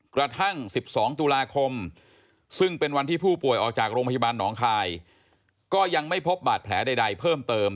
กระทั่ง๑๒ตุลาคมซึ่งเป็นวันที่ผู้ป่วยออกจากโรงพยาบาลหนองคายก็ยังไม่พบบาดแผลใดเพิ่มเติม